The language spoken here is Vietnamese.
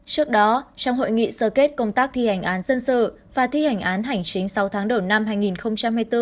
trước đó trong hội nghị sơ kết công tác thi hành án dân sự và thi hành án hành chính sáu tháng đầu năm hai nghìn hai mươi bốn